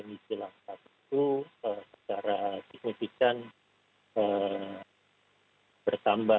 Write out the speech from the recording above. mabes tni silang satu secara signifikan bertambah